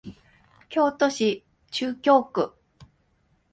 京都市中京区